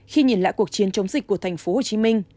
khi nhìn lại cuộc chiến chống dịch của tp hcm